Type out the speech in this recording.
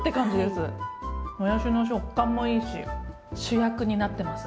もやしの食感もいいし主役になってます